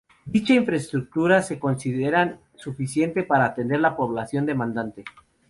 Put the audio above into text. Dicha infraestructura se considera suficiente para atender a la población demandante.